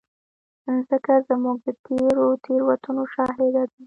مځکه زموږ د تېرو تېروتنو شاهد ده.